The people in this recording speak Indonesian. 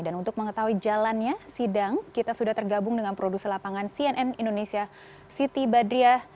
dan untuk mengetahui jalannya sidang kita sudah tergabung dengan produser lapangan cnn indonesia siti badriah